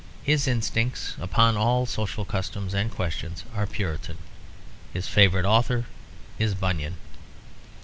His instincts upon all social customs and questions are Puritan. His favourite author is Bunyan.